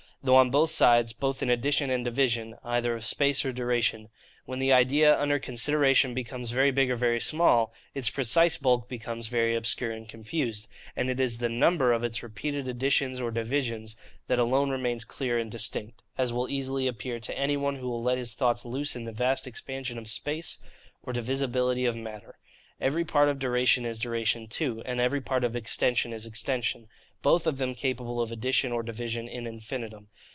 Though on both sides, both in addition and division, either of space or duration, when the idea under consideration becomes very big or very small, its precise bulk becomes very obscure and confused; and it is the NUMBER of its repeated additions or divisions that alone remains clear and distinct; as will easily appear to any one who will let his thoughts loose in the vast expansion of space, or divisibility of matter. Every part of duration is duration too; and every part of extension is extension, both of them capable of addition or division in infinitum.